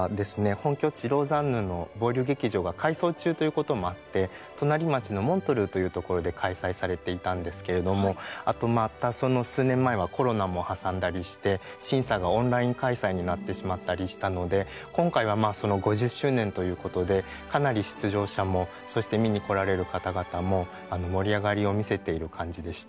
本拠地ローザンヌのボーリュ劇場が改装中ということもあって隣町のモントルーというところで開催されていたんですけれどもあとまたその数年前はコロナも挟んだりして審査がオンライン開催になってしまったりしたので今回はまあその５０周年ということでかなり出場者もそして見に来られる方々も盛り上がりを見せている感じでした。